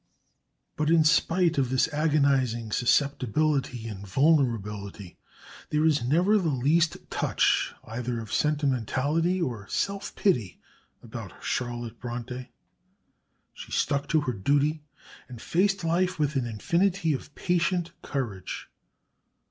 But in spite of this agonising susceptibility and vulnerability, there is never the least touch either of sentimentality or self pity about Charlotte Bronte. She stuck to her duty and faced life with an infinity of patient courage.